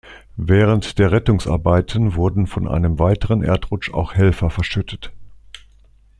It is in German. Während der Rettungsarbeiten wurden von einem weiteren Erdrutsch auch Helfer verschüttet.